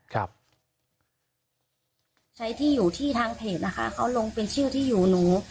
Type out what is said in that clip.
ใช้ที่อยู่ที่ทางเพจนะคะเขาลงเป็นชื่อที่อยู่หนู